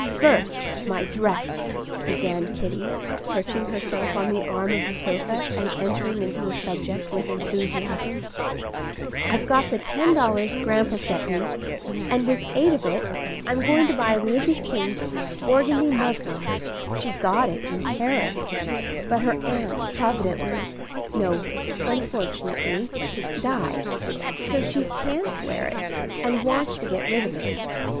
"First, my dress," began Kitty, perching herself on the arm of the sofa, and entering into the subject with enthusiasm. "I've got the ten dollars grandpa sent me, and with eight of it I'm going to buy Lizzie King's organdie muslin. She got it in Paris; but her aunt providentially no, unfortunately died; so she can't wear it, and wants to get rid of it.